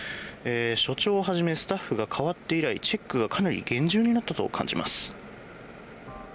所長はじめスタッフが変わって以来チェックがかなり厳重になったと感じます。